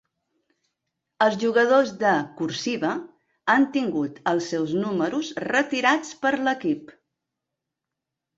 Els jugadors de "cursiva" han tingut els seus números retirats per l'equip.